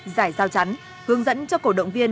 giải giao chắn hướng dẫn cho cổ động viên